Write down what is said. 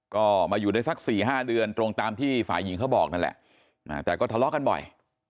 ก็มาอยู่ได้สัก๔๕เดือนตรงตามที่ฝ่ายหญิงเขาบอกนั่นแหละแต่ก็ทะเลาะกันบ่อย